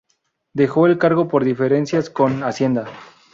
Dejó el cargo por diferencias con Hacienda.